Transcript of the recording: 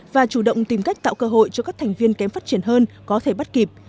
và chủ động tìm cách tạo cơ hội cho các thành viên kém phát triển hơn có thể bắt kịp